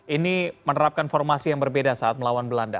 ini menerapkan formasi yang berbeda saat melawan belanda